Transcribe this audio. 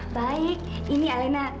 baik ini alena